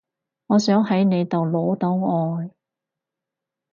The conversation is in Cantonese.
我想喺你度攞到愛